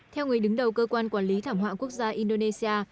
theo người đứng đầu cơ quan quản lý thảm họa quốc gia indonesia